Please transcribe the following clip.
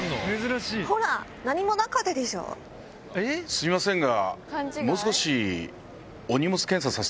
すいませんが。